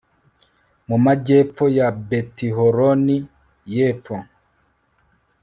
mu majyepfo ya betihoroni y'epfo